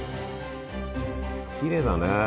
きれいだね。